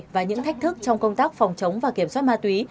và những thách thức trong công tác phòng chống và kiểm soát ma túy